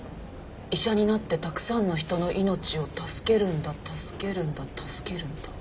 「医者になってたくさんの人の命を助けるんだ助けるんだ助けるんだ」